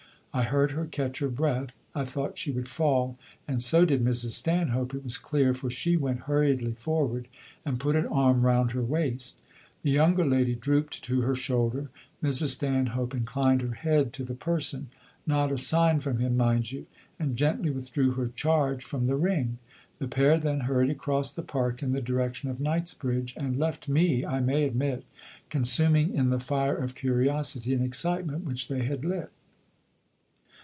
I heard her catch her breath; I thought she would fall, and so did Mrs. Stanhope, it was clear, for she went hurriedly forward and put an arm round her waist. The younger lady drooped to her shoulder; Mrs. Stanhope inclined her head to the person not a sign from him, mind you and gently withdrew her charge from the ring. The pair then hurried across the park in the direction of Knightsbridge, and left me, I may admit, consuming in the fire of curiosity and excitement which they had lit.